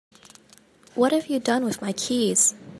What have you done with my keys?